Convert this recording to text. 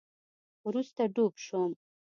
وروسته ډوب شوم